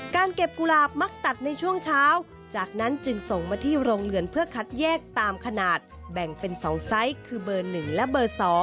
การเก็บกุหลาบมักตัดในช่วงเช้าจากนั้นจึงส่งมาที่โรงเรือนเพื่อคัดแยกตามขนาดแบ่งเป็น๒ไซส์คือเบอร์๑และเบอร์๒